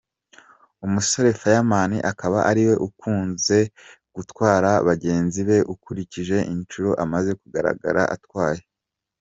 Umusore Fireman akaba ariwe ukunze gutwara bagenzi be ukurikije inshuro amaze kugaragara atwaye.